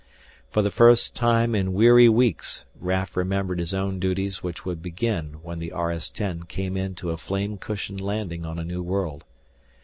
For the first time in weary weeks Raf remembered his own duties which would begin when the RS 10 came in to a flame cushioned landing on a new world.